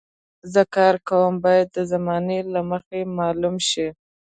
زه کار کوم باید د زمانې له مخې معلوم شي.